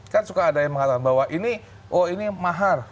kan suka ada yang mengatakan bahwa ini mahar